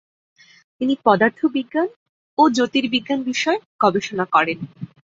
তিনি পদার্থবিজ্ঞান ও জ্যোতির্বিজ্ঞান বিষয়ে গবেষণা করেন।